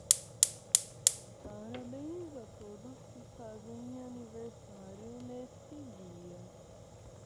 Parabéns a todos que fazem aniversário neste dia.